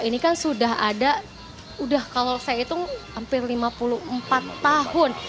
ini kan sudah ada udah kalau saya hitung hampir lima puluh empat tahun